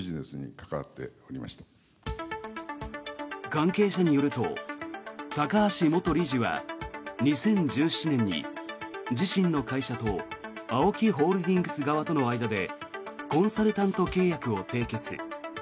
関係者によると高橋元理事は２０１７年に自身の会社とＡＯＫＩホールディングス側との間でコンサルタント契約を締結。